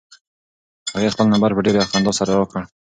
هغې خپل نمبر په ډېرې خندا سره راکړ.